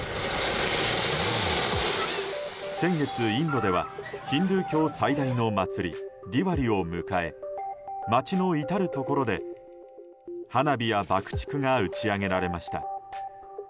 先月、インドではヒンドゥー教最大の祭りディワリを迎え街の至るところで花火や爆竹が打ち上げられました。